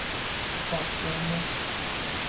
دجاله